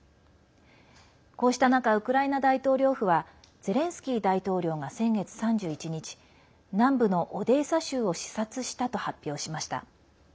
こうした中ウクライナ大統領府はゼレンスキー大統領が先月３１日南部のオデーサ州を視察したと発表しました。